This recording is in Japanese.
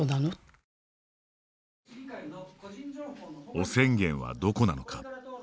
汚染源はどこなのか。